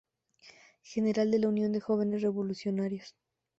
General de la Unión de Jóvenes revolucionarios.